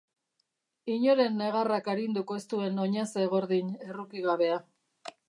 Inoren negarrak arinduko ez duen oinaze gordin errukigabea.